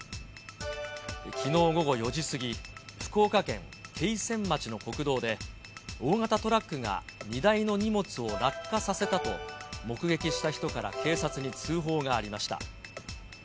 きのう午後４時過ぎ、福岡県桂川町の国道で、大型トラックが荷台の荷物を落下させたと、目撃した人から警察に通報がありました。